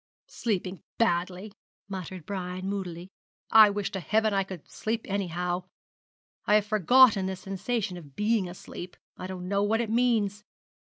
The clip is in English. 'Sleeping badly!' muttered Brian moodily; 'I wish to Heaven I could sleep anyhow. I have forgotten the sensation of being asleep I don't know what it means.